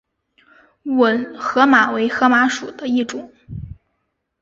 吻海马为海马属的一种。